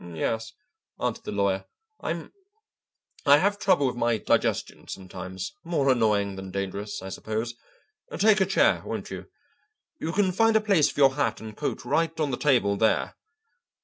"Yes," answered the lawyer, "I'm I have trouble with my digestion sometimes, more annoying than dangerous, I suppose. Take a chair, won't you? You can find a place for your hat and coat right on the table there.